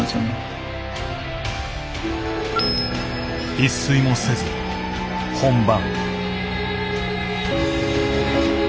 一睡もせず本番。